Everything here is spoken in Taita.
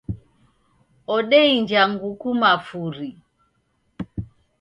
Odeinja nguku mafuri